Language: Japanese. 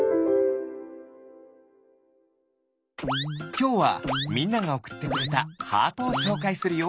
きょうはみんながおくってくれたハートをしょうかいするよ。